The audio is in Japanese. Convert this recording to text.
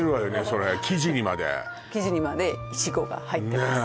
それ生地にまで生地にまでいちごが入ってます